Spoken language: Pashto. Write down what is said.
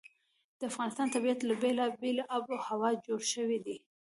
د افغانستان طبیعت له بېلابېلې آب وهوا جوړ شوی دی.